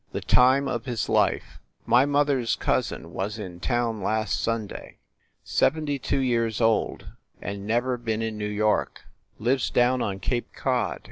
THE TIME OF HIS LIFE My mother s cousin was in town last Sunday. Seventy two years old, and never been in New York. Lives down on Cape Cod.